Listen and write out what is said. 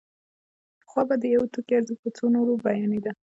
پخوا به د یو توکي ارزښت په څو نورو بیانېده